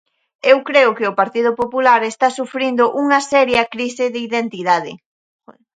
Eu creo que o Partido Popular está sufrindo unha seria crise de identidade.